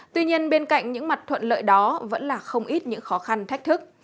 tuy nhiên bên cạnh những mặt thuận lợi đó vẫn là không ít những khó khăn thách thức